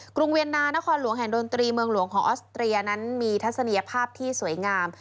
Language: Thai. กเวียนนานครหลวงแห่งดนตรีเมืองหลวงของออสเตรียนั้นมีทัศนียภาพที่สวยงาม